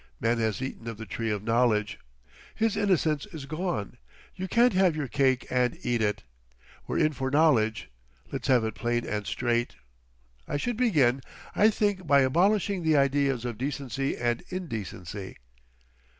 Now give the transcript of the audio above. Man has eaten of the Tree of Knowledge. His innocence is gone. You can't have your cake and eat it. We're in for knowledge; let's have it plain and straight. I should begin, I think, by abolishing the ideas of decency and indecency...."